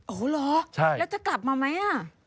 โอ้โหเหรอแล้วจะกลับมาไหมอ่ะใช่